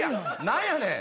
何やねん。